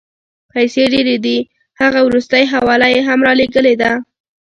پیسې ډېرې دي، هغه وروستۍ حواله یې هم رالېږلې ده.